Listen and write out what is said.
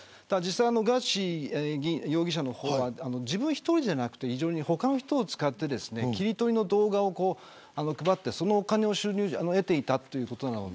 ガーシー容疑者の方は自分一人ではなくて他の人を使って切り取りの動画を配ってそのお金を得ていたということなので。